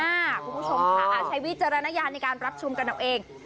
อาจใช้วิจารณญาณในการรับชมกันเอาเอง